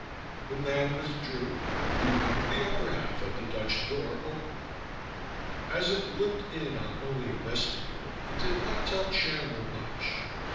The man withdrew, leaving the upper half of the Dutch door open. As it looked in on only a vestibule it did not tell Chandler much.